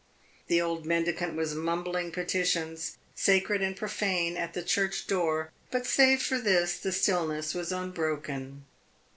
The old mendicant was mumbling petitions, sacred and profane, at the church door; but save for this the stillness was unbroken.